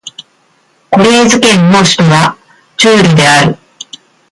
コレーズ県の県都はチュールである